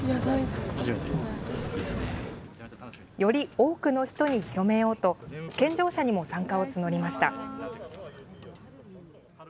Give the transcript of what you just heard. より多くの人に広めようと健常者にも参加を募りました。